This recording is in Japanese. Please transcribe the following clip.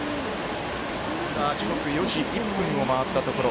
時刻は４時１分を回ったところ。